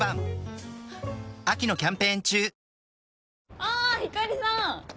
ああひかりさん！